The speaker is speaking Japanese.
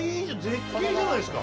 絶景じゃないですか。